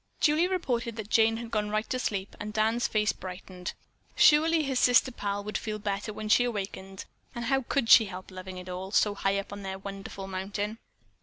Julie reported that Jane had gone right to sleep and Dan's face brightened. Surely his sister pal would feel better when she awakened and how could she help loving it all, so high up on their wonderful mountain.